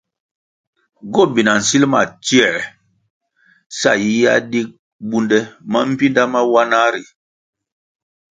Gobina nsilʼ ma tsioē sa yiyia dig bundè mambpinda mawanah ri.